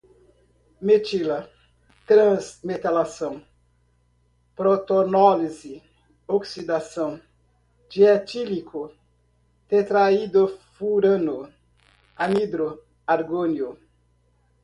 dibromoetano, iodeto de metila, transmetalação, protonólise, oxidação, dietílico, tetraidrofurano, anidro, argônio